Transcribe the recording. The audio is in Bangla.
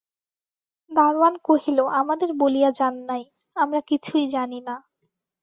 দরোয়ান কহিল, আমাদের বলিয়া যান নাই, আমরা কিছুই জানি না।